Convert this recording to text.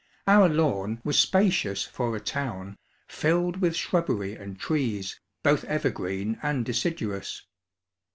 Our lawn was spacious for a town, filled with shrubbery and trees, both evergreen and deciduous.